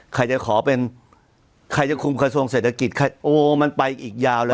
ใครจะขอเป็นใครจะคุมกระทรวงเศรษฐกิจใครโอ้มันไปอีกยาวเลย